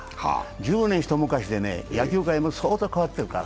１０年一昔で、野球界も相当変わってるから。